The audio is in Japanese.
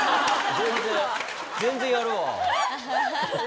全然やるわ。